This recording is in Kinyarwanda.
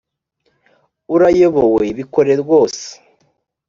urayobowe bikore rwose